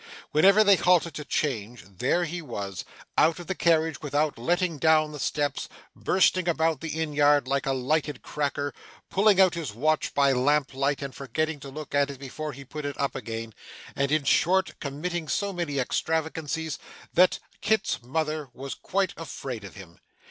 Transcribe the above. Whenever they halted to change, there he was out of the carriage without letting down the steps, bursting about the inn yard like a lighted cracker, pulling out his watch by lamp light and forgetting to look at it before he put it up again, and in short committing so many extravagances that Kit's mother was quite afraid of him.